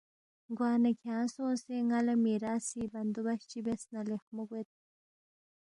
گوانہ کھیانگ سونگسے ن٘ا لہ میراثی بندوبست چی بیاس نہ لیخمو گوید